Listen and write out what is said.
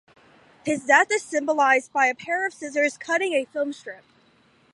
His death is symbolized by a pair of scissors cutting a film strip.